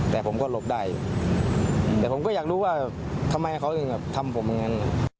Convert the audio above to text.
แต่ผมก็หลบได้แต่ผมก็อยากรู้ว่าทำไมเขาถึงทำผมอย่างนั้น